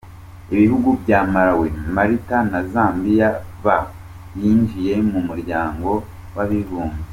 Ibihugu bya Malawi, Malta na Zambia byinjiye mu muryango w’abibumbye.